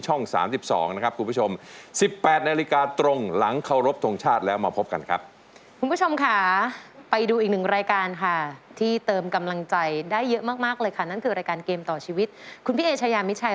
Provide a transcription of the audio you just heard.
ร้องได้ร้องได้ร้องได้ร้องได้ร้องได้ร้องได้ร้องได้ร้องได้ร้องได้ร้องได้ร้องได้ร้องได้ร้องได้ร้องได้ร้องได้ร้องได้